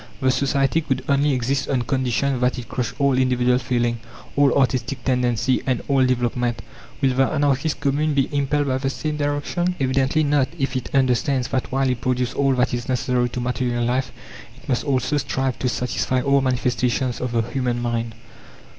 The society could only exist on condition that it crushed all individual feeling, all artistic tendency, and all development. Will the anarchist Commune be impelled by the same direction? Evidently not, if it understands that while it produces all that is necessary to material life, it must also strive to satisfy all manifestations of the human mind.